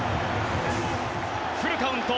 フルカウント。